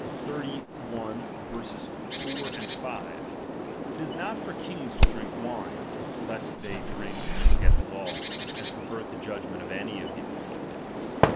i, b : It is not for hings to drink wine, lest they drink and forget the law, and pervert the judgment of any of the afflicted.